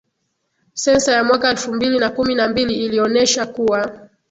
Sensa ya mwaka elfu mbili na kumi na mbili ilionesha kuwa